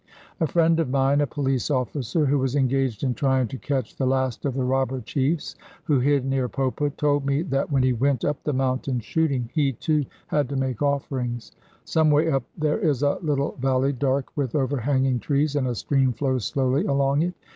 A friend of mine, a police officer, who was engaged in trying to catch the last of the robber chiefs who hid near Popa, told me that when he went up the mountain shooting he, too, had to make offerings. Some way up there is a little valley dark with overhanging trees, and a stream flows slowly along it.